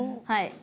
はい。